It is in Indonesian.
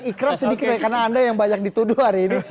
ikram sedikit ya karena anda yang banyak dituduh hari ini